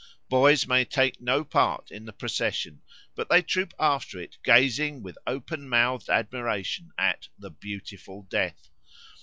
Boys may take no part in the procession, but they troop after it gazing with open mouthed admiration at the "beautiful Death."